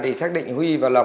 thì xác định huy và lộc